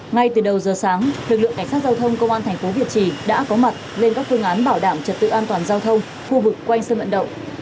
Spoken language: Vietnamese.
ngay từ đầu giờ sáng lực lượng cảnh sát giao thông công an thành phố việt trì đã có mặt lên các phương án bảo đảm trật tự an toàn giao thông khu vực quanh sân vận động